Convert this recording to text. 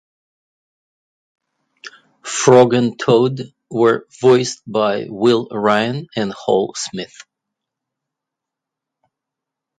Frog and Toad were voiced by Will Ryan and Hal Smith.